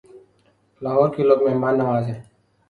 لاہور کے لوگ مہمان نواز ہیں